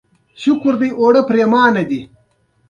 احمد اوس سپين ږير دی؛ ګوز يې تر خوټو نه تېرېږي.